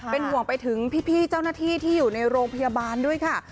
เป็นห่วงไปถึงพี่เจ้าหน้าที่ที่อยู่ในโรงพยาบาลด้วยค่ะ